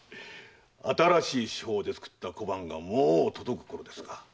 新しい手法で造った小判がもう届くころですが。